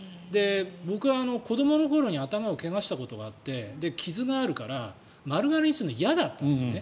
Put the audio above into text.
僕は子どもの頃に頭を怪我したことがあって傷があるから丸刈りにするの嫌だったんですね。